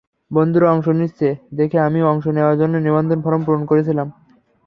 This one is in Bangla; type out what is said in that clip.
বন্ধুরা অংশ নিচ্ছে দেখে আমিও অংশ নেওয়ার জন্য নিবন্ধন ফরম পূরণ করেছিলাম।